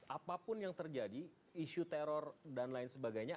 apapun yang terjadi isu teror dan lain sebagainya